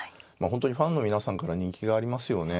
本当にファンの皆さんから人気がありますよね。